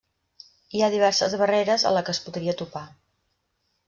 Hi ha diverses barreres en la que es podria topar.